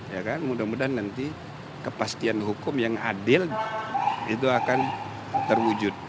ya kan mudah mudahan nanti kepastian hukum yang adil itu akan terwujud